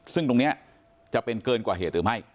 ซึ่งตรงนี้จะเป็นเกินกว่าเหตุหรือไม่